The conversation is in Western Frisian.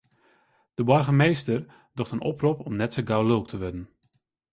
De boargemaster docht in oprop om net sa gau lulk te wurden.